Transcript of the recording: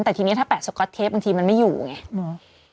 แต่ทีนี้ถ้าแปะสก๊อตเทปบางทีมันไม่อยู่ไงอืม